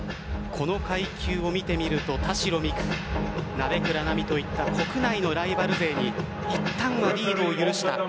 この対決を見てみると鍋倉那美といった国内のライバル勢にいったんのリードを許した。